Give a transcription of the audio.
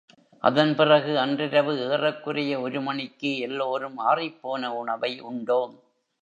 அதன் பிறகு அன்றிரவு ஏறக்குறைய ஒரு மணிக்கு எல்லோரும் ஆறிப்போன உணவை உண்டோம்.